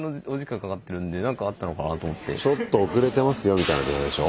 ちょっと遅れてますよみたいな電話でしょ。